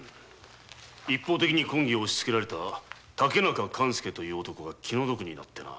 一方的に婚儀を押しつけられた竹中勘助が気の毒になってな。